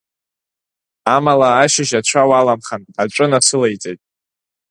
Амала ашьыжь ацәа уаламхан, аҵәы насылаиҵеит.